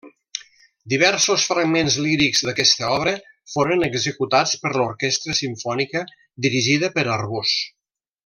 Diversos fragments lírics d'aquesta obra foren executats per l'Orquestra Simfònica dirigida per Arbós.